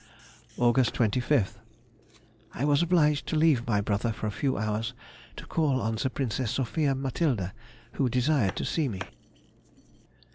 Aug. 25th.—I was obliged to leave my brother for a few hours to call on the Princess Sophia Matilda, who desired to see me.